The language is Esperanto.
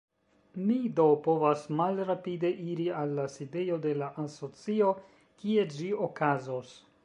Mi do povas malrapide iri al la sidejo de la asocio, kie ĝi okazos.